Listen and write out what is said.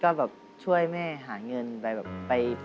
ก็แบบช่วยแม่หาเงินไปแบบไป